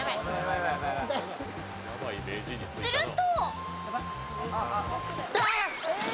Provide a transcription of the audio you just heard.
すると！